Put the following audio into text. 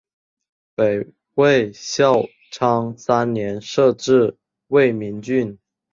北魏孝昌三年设置魏明郡。